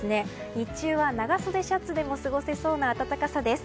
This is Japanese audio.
日中は長袖シャツでも過ごせそうな暖かさです。